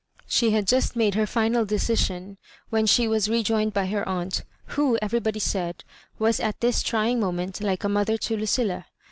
She bad just made her final decision when she was rejoined by her aunt, who, everybody said, was at this trying moment like a mothm* to Lu cilla.